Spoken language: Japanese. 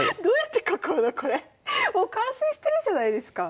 もう完成してるじゃないですか。